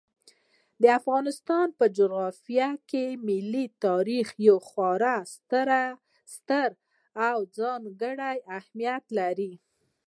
د افغانستان په جغرافیه کې ملي تاریخ یو خورا ستر او ځانګړی اهمیت لري.